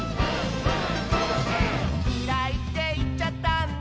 「きらいっていっちゃったんだ」